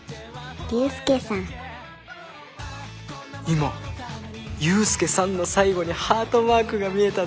今「ユースケさん」の最後にハートマークが見えたぜ。